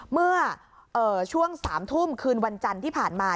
เมื่อช่วง๓ทุ่มคืนวันจันทร์ที่ผ่านมา